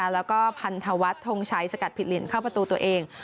แล้วก็พันธวัฒน์ทงชัยสกัดผิดเหรียญเข้าประตูตัวเอง